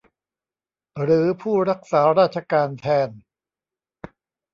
หรือผู้รักษาราชการแทน